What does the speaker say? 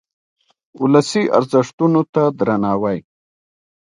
ولسي ارزښتونو ته درناوی.